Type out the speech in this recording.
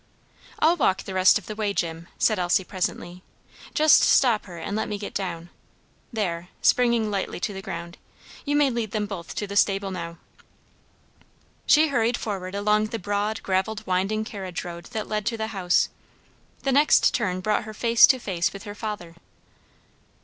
"I'll walk the rest of the way, Jim," said Elsie presently, "just stop her and let me get down. There," springing lightly to the ground, "you may lead them both to the stable now." She hurried forward along the broad, gravelled winding carriage road that led to the house. The next turn brought her face to face with her father.